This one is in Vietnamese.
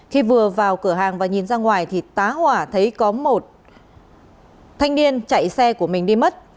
khi vừa vào cửa hàng và nhìn ra ngoài thì tá hỏa thấy có một thanh niên chạy xe của mình đi mất